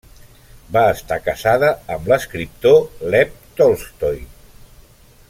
Va estar casada amb l'escriptor Lev Tolstoi.